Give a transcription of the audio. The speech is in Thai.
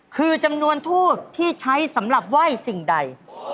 คือจำนวนทูบที่ใช้สำหรับไหว้สิ่งใด